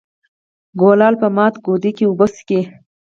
ـ کولال په مات کودي کې اوبه څکي.